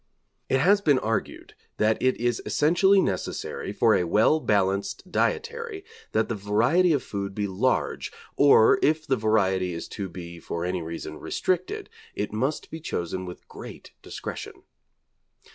It has been argued that it is essentially necessary for a well balanced dietary that the variety of food be large, or if the variety is to be for any reason restricted, it must be chosen with great discretion.